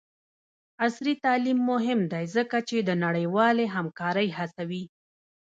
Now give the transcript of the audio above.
عصري تعلیم مهم دی ځکه چې د نړیوالې همکارۍ هڅوي.